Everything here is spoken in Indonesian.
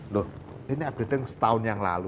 loh ini updating setahun yang lalu